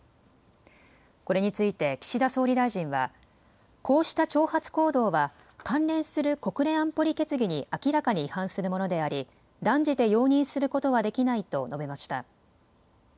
これについて岸田総理大臣は、こうした挑発行動は関連する国連安保理決議に明らかに違反するものであり断じて容認することはできないと述べました。